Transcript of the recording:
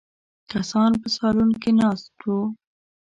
کسان په سالون کې ناست وو.